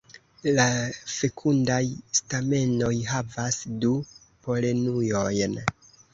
La fekundaj stamenoj havas du polenujojn.